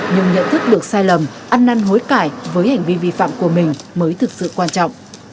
nhưng nhận thức được sai lầm ăn năn hối cải với hành vi vi phạm của mình mới thực sự quan trọng